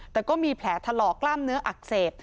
แต่ก็มีแผลถลอกกล้ามเนื้ออักเสบ